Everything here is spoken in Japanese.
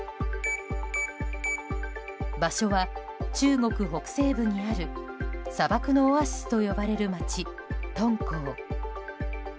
場所は中国北西部にある砂漠のオアシスと呼ばれる町敦煌。